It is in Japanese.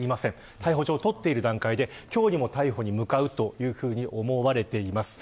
逮捕状を取っている段階で今日にも逮捕に向かうと思われています。